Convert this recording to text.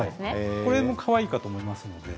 これもかわいいかと思いますので。